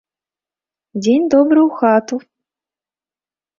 Дзень добры ў хату.